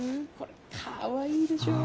かわいいでしょう。